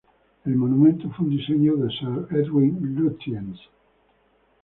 El monumento fue un diseño de Sir Edwin Lutyens.